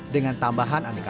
dengan tambahan aneka